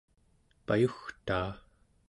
payugtaa